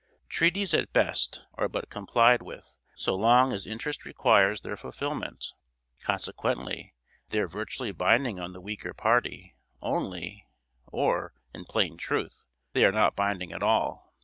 Treaties at best are but complied with so long as interest requires their fulfilment; consequently they are virtually binding on the weaker party only, or, in plain truth, they are not binding at all.